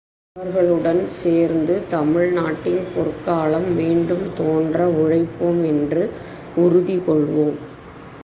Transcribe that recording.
அவர்களுடன் சேர்ந்து தமிழ் நாட்டின் பொற்காலம் மீண்டும் தோன்ற உழைப்போம் என்று உறுதி கொள்வோம்.